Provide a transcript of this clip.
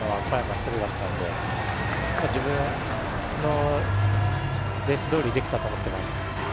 一人だったので、自分のレースどおりできたと思っています。